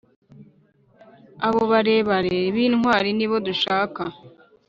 Abo barebare b`intwari nibo dushaka